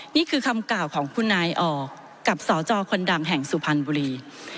นี่คือคำกล่าวของคุณนายออกกับสจคนดังแห่งสุพรรณบุรี